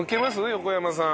横山さん。